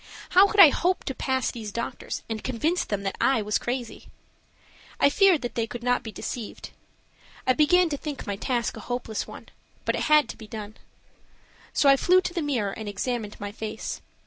How could I hope to pass these doctors and convince them that I was crazy? I feared that they could not be deceived. I began to think my task a hopeless one; but it had to be done. So I flew to the mirror and examined my face.